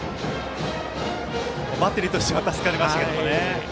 バッテリーとしては助かりましたけども。